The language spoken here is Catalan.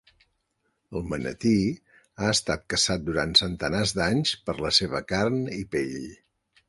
El manatí ha estat caçat durant centenars d'anys per la seva carn i pell.